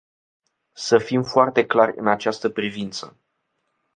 Să fim foarte clari în această privință.